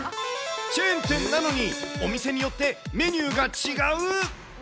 チェーン店なのに、お店によってメニューが違う？